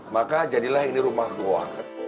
maka jadilah ini rumah goa